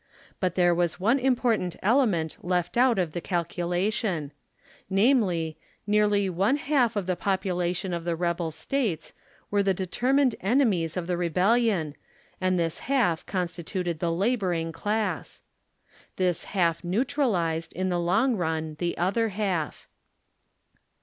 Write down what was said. But there was oue important element left out of thp calculation, namely, nearly one half of the pop ulation of the rebel States, were the determined enemies of the rebellion, and this half constituted the laboring class. This half neutralized, in the long run, the other half.